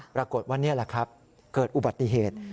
ปรากฏว่านี่แหละครับเกิดอุบัติเหตุ